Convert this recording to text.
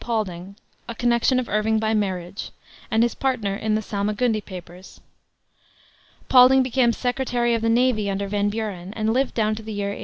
Paulding, a connection of Irving by marriage, and his partner in the Salmagundi Papers. Paulding became Secretary of the Navy under Van Buren, and lived down to the year 1860.